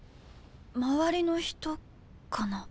周りの人かな？